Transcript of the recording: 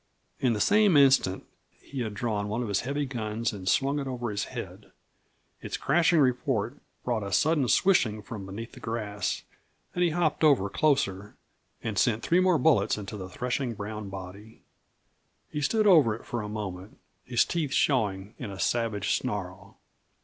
In the same instant he had drawn one of his heavy guns and swung it over his head. Its crashing report brought a sudden swishing from beneath the grass, and he hopped over closer and sent three more bullets into the threshing brown body. He stood over it for a moment, his teeth showing in a savage snarl.